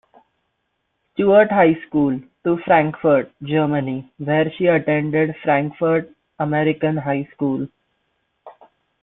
Stuart High School, to Frankfurt, Germany, where she attended Frankfurt American High School.